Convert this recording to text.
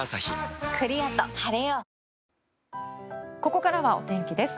ここからはお天気です。